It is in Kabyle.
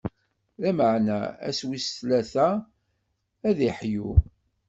Lameɛna ass wis tlata, ad d-iḥyu.